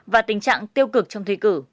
và tình trạng tiêu cực trong thi cử